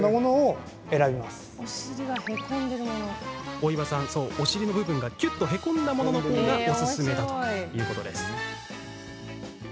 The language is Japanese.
大岩さんは、お尻の部分がきゅっと、へこんだもののほうがおすすめといいます。